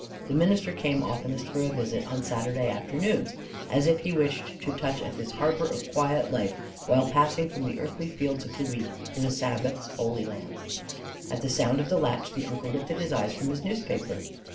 The minister came oftenest for a visit on Saturday afternoons, as if he wished to touch at this harbor of a quiet life while passing from the earthly fields of the week to the Sabbath's holy land. At the sound of the latch the uncle lifted his eyes from his newspaper.